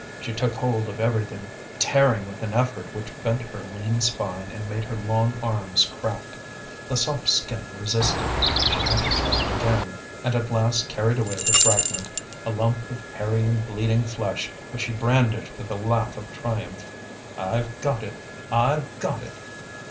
She took hold of everything, tearing with an effort which bent her lean spine and made her long arms crack. The soft skin resisted; she had to try again, and at last carried away the fragment, a lump of hairy and bleeding flesh, which she brandished with a laugh of triumph. "I've got it! I've got it!"